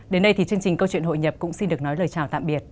đến đây thì chương trình câu chuyện hội nhập cũng xin được nói lời chào tạm biệt